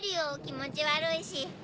気持ち悪いし。